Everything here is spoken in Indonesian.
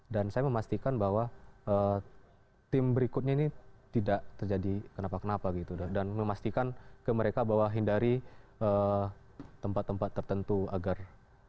dan saya memastikan bahwa tim berikutnya ini tidak terjadi kenapa kenapa gitu dan memastikan ke mereka bahwa hindari tempat tempat tertentu agar berhasil